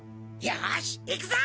よし行くぞ！